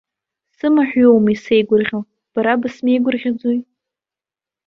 Сымаҳә иоума исеигәырӷьо, бара бысмеигәырӷьаӡои?